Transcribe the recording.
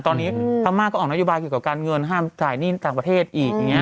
ตอนนี้พม่าก็ออกนโยบายเกี่ยวกับการเงินห้ามจ่ายหนี้ต่างประเทศอีกอย่างนี้